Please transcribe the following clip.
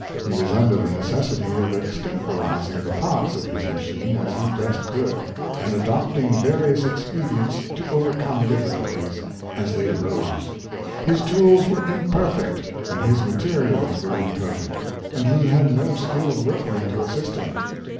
He was under the neces sity of extemporising the parts of his machine as he best could, and adopting various expedients to overcome difficulties as they arose. His tools were imperfect, and his materials were imperfect; and he had no skilled workmen to assist him.